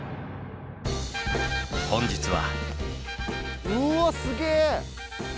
本日は。